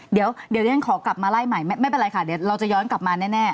เดี๋ยวฉันขอกลับมาไล่ใหม่ไม่เป็นไรค่ะเดี๋ยวเราจะย้อนกลับมาแน่